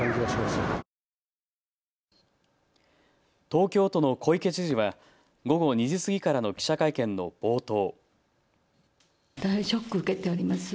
東京都の小池知事は午後２時過ぎからの記者会見の冒頭。